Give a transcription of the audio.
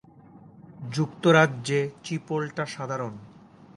যুক্তরাজ্যে চিপোলাটা সাধারণ।